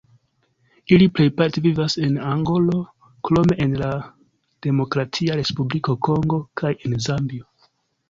Ili plejparte vivas en Angolo, krome en la Demokratia Respubliko Kongo kaj en Zambio.